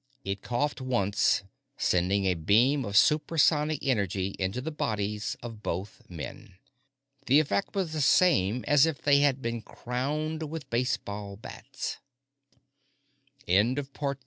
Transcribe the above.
It coughed once, sending a beam of supersonic energy into the bodies of both men. The effect was the same as if they had both been crowned with baseball bats.